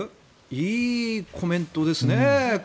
いいコメントですね。